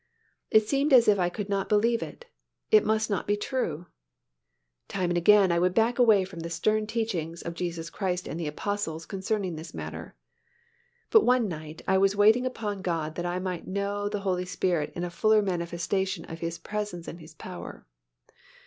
It seemed as if I could not believe it: it must not be true. Time and again I would back away from the stern teachings of Jesus Christ and the Apostles concerning this matter. But one night I was waiting upon God that I might know the Holy Spirit in a fuller manifestation of His presence and His power.